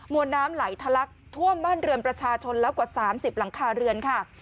วนน้ำไหลทะลักท่วมบ้านเรือนประชาชนแล้วกว่า๓๐หลังคาเรือนค่ะ